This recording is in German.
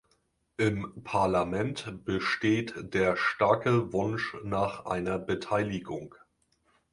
Im Parlament besteht der starke Wunsch nach einer Beteiligung.